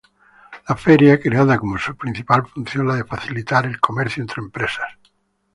La Feria, creada como su principal función la de facilitar el comercio entre empresas.